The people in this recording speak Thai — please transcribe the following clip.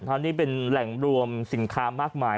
เพราะนี่เป็นแหล่งรวมสินค้ามากมาย